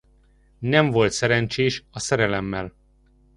Nem volt szerencsés a szerelemmel.